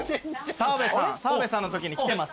澤部さんのときに来てます。